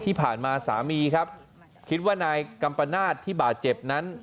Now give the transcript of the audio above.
ที่ผ่านมาสามีครับคิดว่านายกัมปนาศที่บาดเจ็บนั้น